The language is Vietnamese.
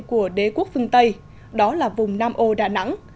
của đế quốc phương tây đó là vùng nam ô đà nẵng